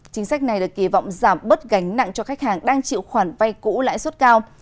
chính sách này được kỳ vọng giảm bớt gánh nặng cho khách hàng đang chịu khoản vay cũ lãi suất cao